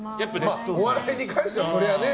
お笑いに関してはそりゃね。